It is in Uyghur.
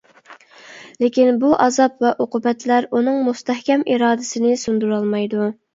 لېكىن بۇ ئازاب ۋە ئوقۇبەتلەر ئۇنىڭ مۇستەھكەم ئىرادىسىنى سۇندۇرالمايدۇ.